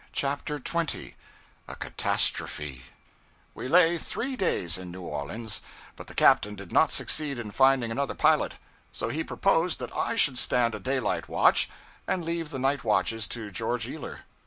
CHAPTER 20 A Catastrophe WE lay three days in New Orleans, but the captain did not succeed in finding another pilot; so he proposed that I should stand a daylight watch, and leave the night watches to George Ealer.